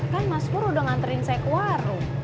kan mas pur udah nganterin saya ke warung